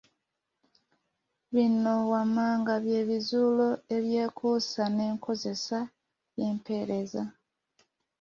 Bino wammanga bye bizuulo ebyekuusa n’enkozesa y’empeerezi.